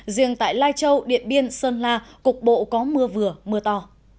riêng tại lai châu điện biên sơn la cục bộ có mưa vừa mưa to